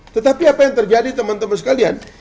tetapi apa yang terjadi teman teman sekalian